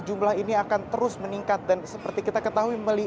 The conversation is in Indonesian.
jumlah ini akan terus meningkat dan seperti kita ketahui